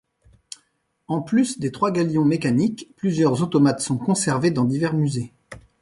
En plus des trois galions mécaniques, plusieurs automates sont conservées dans divers musées.